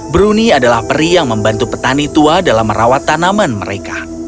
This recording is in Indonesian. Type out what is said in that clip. bruni adalah peri yang membantu petani tua dalam merawat tanaman mereka